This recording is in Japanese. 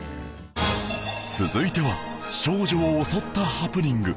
続いては少女を襲ったハプニング